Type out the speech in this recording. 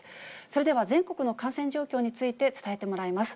それでは全国の感染状況について伝えてもらいます。